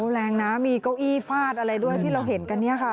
แรงนะมีเก้าอี้ฟาดอะไรด้วยที่เราเห็นกันเนี่ยค่ะ